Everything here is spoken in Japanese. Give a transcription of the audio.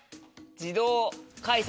自動改札。